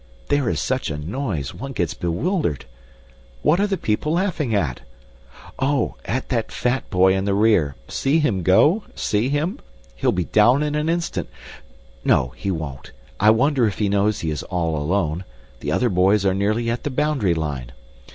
There is such a noise, one gets bewildered. What are the people laughing at? Oh, at that fat boy in the rear. See him go! See him! He'll be down in an instant; no, he won't. I wonder if he knows he is all alone; the other boys are nearly at the boundary line.